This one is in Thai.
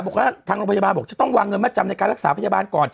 บอกว่าทางโรงพยาบาลบอกจะต้องวางเงินมาจำในการรักษาพยาบาลก่อน